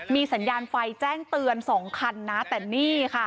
มีสัญญาณไฟแจ้งเตือนสองคันนะแต่นี่ค่ะ